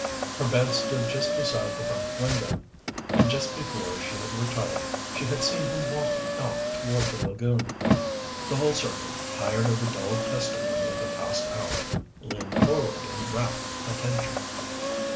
Her bed stood just beside the front window, and just before she had retired she had seen him walking out toward the lagoon. The whole circle, tired of the dull testimony of the past hour, leaned forward in rapt attention.